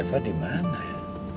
reva dimana ya